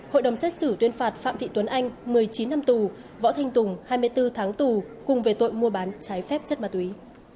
hội đồng xét xử tuyên phạt phạm thị tuấn anh một mươi chín năm tù võ thanh tùng hai mươi bốn tháng tù cùng về tội mua bán trái phép chất ma túy